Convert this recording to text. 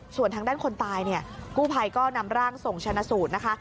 ส่วนทางด้านคนตายเนี่ยกู้ภัยก็นำร่างส่งชนะสูตรนะคะ